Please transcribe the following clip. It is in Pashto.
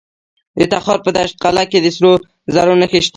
د تخار په دشت قلعه کې د سرو زرو نښې شته.